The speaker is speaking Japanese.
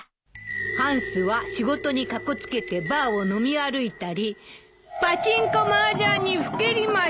ハンスは仕事にかこつけてバーを飲み歩いたりパチンコマージャンにふけりました。